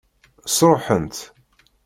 Sṛuḥent.